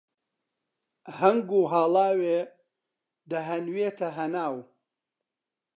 هەنگ و هاڵاوێ دەهەنوێتە هەناو